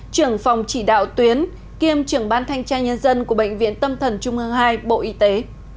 trưởng phòng chỉ đạo tuyến kiêm trưởng ban thanh tra nhân dân của bệnh viện tâm thần trung ương hai bộ y tế